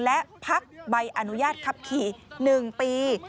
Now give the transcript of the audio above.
และพักใบอนุญาตขับขี่๑ปี